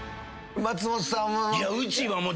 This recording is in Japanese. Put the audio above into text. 松本さんは。